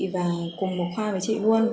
và cùng một khoa với chị luôn